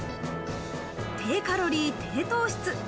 低カロリー・低糖質。